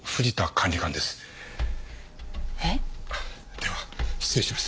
では失礼します。